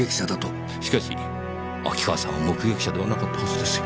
しかし秋川さんは目撃者ではなかったはずですよ。